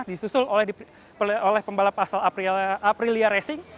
disusul oleh pembalap asal aprilia racing